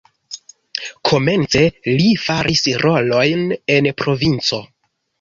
Komence li faris rolojn en provinco.